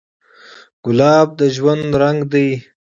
ګلاب د ژوند رنګ دی.